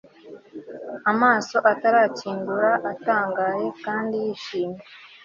amaso atarakinguka atangaye kandi yishimye